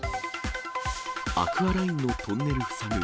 アクアラインのトンネル塞ぐ。